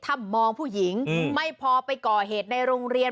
ถ้ามองผู้หญิงไม่พอไปก่อเหตุในโรงเรียน